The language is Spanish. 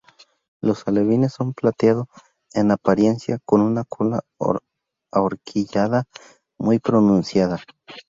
Los alevines son plateado en apariencia con una cola ahorquillada muy pronunciada.